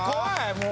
もう。